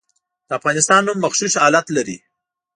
د افغانستان نوم مغشوش حالت لري.